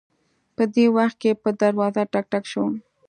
په دې وخت کې په دروازه ټک ټک شو